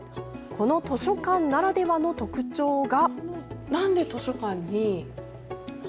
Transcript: この図書館ならではの特徴が。